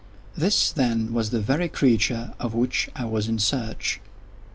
This, then, was the very creature of which I was in search.